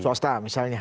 di swasta misalnya